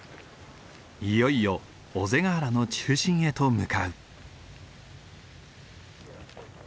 いよいよ尾瀬ヶ原の中心へと向かう。